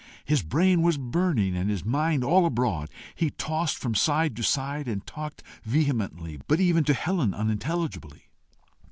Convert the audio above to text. His brain was burning and his mind all abroad: he tossed from side to side and talked vehemently but even to Helen unintelligibly.